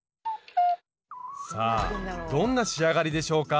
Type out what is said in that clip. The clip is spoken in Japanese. さあどんな仕上がりでしょうか？